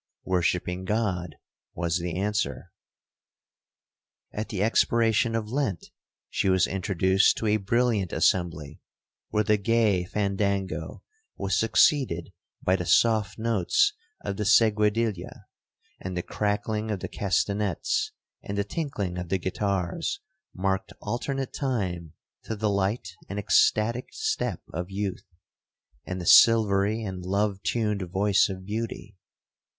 —'Worshipping God,' was the answer. 'At the expiration of Lent, she was introduced to a brilliant assembly, where the gay fandango was succeeded by the soft notes of the seguedilla,—and the crackling of the castanets, and the tinkling of the guitars, marked alternate time to the light and ecstatic step of youth, and the silvery and love tuned voice of beauty.